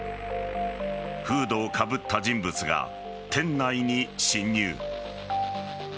フードをかぶった人物が店内に侵入。